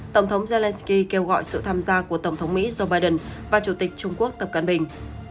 tổng thống zelensky kêu gọi sự tham gia của tổng thống mỹ joe biden và chủ tịch trung quốc tập cận bình